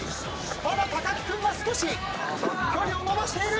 ただ木君が少し距離を伸ばしている！